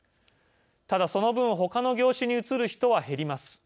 ただ、その分ほかの業種に移る人は減ります。